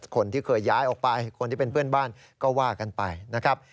คนที่เคยย้ายออกไปคนที่เป็นเพื่อนบ้านก็ว่ากันไปนะครับ